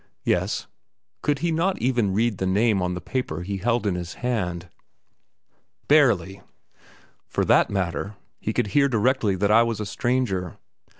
"Yes." Could he not even read the name of the paper he held in his hand? "Barely." For that matter, he could hear directly that I was a stranger.